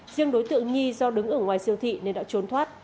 riêng đối tượng nhi do đứng ở ngoài siêu thị nên đã trốn thoát